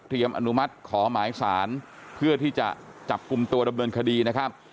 อนุมัติขอหมายสารเพื่อที่จะจับกลุ่มตัวดำเนินคดีนะครับ